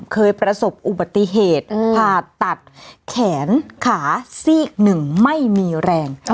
เคยประสบอุบัติเหตุผ่าตัดแขนขาซีกหนึ่งไม่มีแรง